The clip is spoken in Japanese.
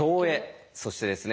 そしてですね